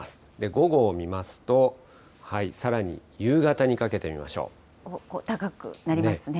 午後を見ますと、さらに夕方にか高くなりますね。